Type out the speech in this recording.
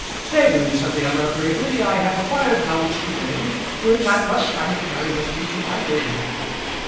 "Staveley," said the other, gravely, "I have acquired knowledge to day which I trust I may carry with me to my grave."